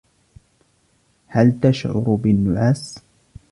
هل تشعر بالنعاس؟